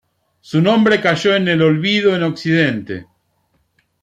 Su nombre cayó en el olvido en occidente.